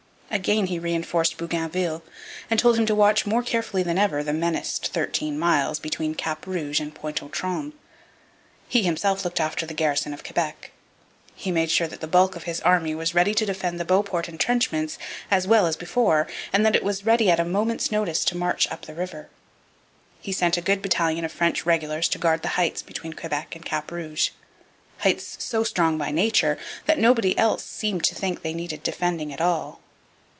Again he reinforced Bougainville, and told him to watch more carefully than ever the menaced thirteen miles between Cap Rouge and Pointe aux Trembles. He himself looked after the garrison of Quebec. He made sure that the bulk of his army was ready to defend the Beauport entrenchments as well as before, and that it was also ready at a moment's notice to march up the river. He sent a good battalion of French regulars to guard the heights between Quebec and Cap Rouge, heights so strong by nature that nobody else seemed to think they needed defending at all.